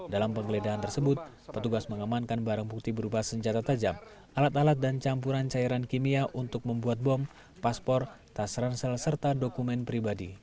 dalam penggeledahan tersebut petugas mengamankan barang bukti berupa senjata tajam alat alat dan campuran cairan kimia untuk membuat bom paspor tas ransel serta dokumen pribadi